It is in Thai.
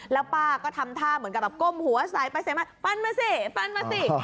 แล้วป้าก็ทำท่าเหมือนกับก้มหัวสายปันมาสิปันมาสิ